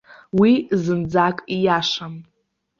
Уи зынӡак ииашам.